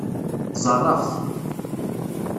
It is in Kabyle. Ẓẓareɣ-t.